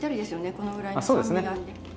このぐらいの酸味があって。